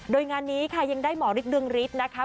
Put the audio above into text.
โดยงานนี้ค่ะยังได้หมอฤทธเรืองฤทธิ์นะคะ